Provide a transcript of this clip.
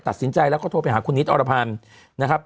ตัดสินใจแล้วก็โทรไปหาคุณนิดอรพันธ์นะครับ